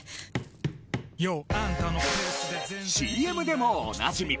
ＣＭでもおなじみ